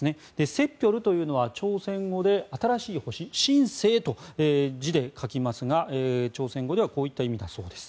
セッピョルというのは朝鮮語で新しい星新星と、字で書きますが朝鮮語ではこういった意味だそうです。